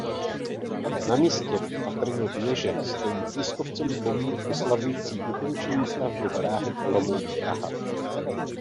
Na místě patrně věže stojí pískovcový pomník oslavující ukončení stavby dráhy Olomouc–Praha.